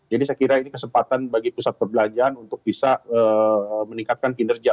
jadi saya kira ini kesempatan bagi pusat perbelanjaan untuk bisa meningkatkan kinerja